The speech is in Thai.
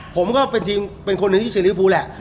ผมก็เป็นทีมเป็นคนหนึ่งที่เชียริวภูแหละ